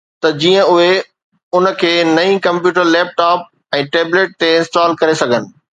ته جيئن اهي ان کي نئين ڪمپيوٽر، ليپ ٽاپ ۽ ٽيبليٽ تي انسٽال ڪري سگهن